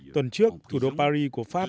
tuần trước thủ đô paris của pháp